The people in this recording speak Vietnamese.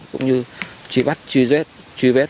cũng như truy bắt truy rết truy vết